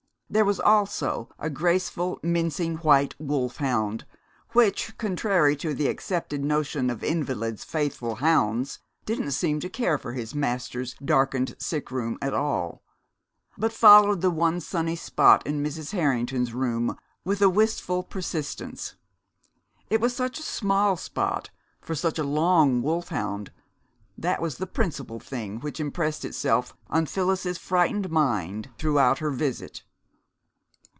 There was also a graceful, mincing white wolfhound which, contrary to the accepted notion of invalids' faithful hounds, didn't seem to care for his master's darkened sick room at all, but followed the one sunny spot in Mrs. Harrington's room with a wistful persistence. It was such a small spot for such a long wolfhound that was the principal thing which impressed itself on Phyllis's frightened mind throughout her visit.